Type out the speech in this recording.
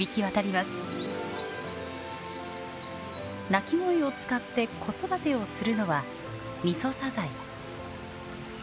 鳴き声を使って子育てをするのはミソサザイ。